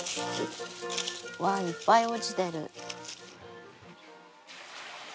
わあいっぱい落ちてる。